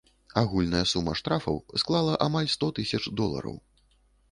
Агульная сума штрафаў склала амаль сто тысяч долараў.